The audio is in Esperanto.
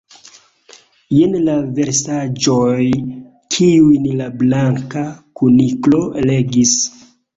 Jen la versaĵoj kiujn la Blanka Kuniklo legis.